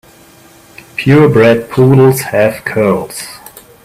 Pure bred poodles have curls.